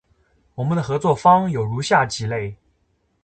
我们的合作方有如下几类：